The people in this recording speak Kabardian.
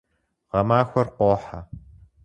Гъэмахуэр къохьэ.